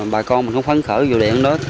bà con không khó khăn khởi vụ điện đó